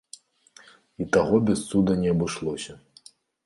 У таго без цуда не абышлося.